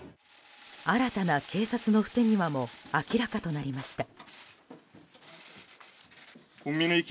新たな警察の不手際も明らかとなりました。